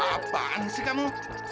apaan sih kamu